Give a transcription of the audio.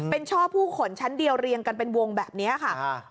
เป็นช่อผู้ขนชั้นเดียวเรียงกันเป็นวงแบบนี้ค่ะ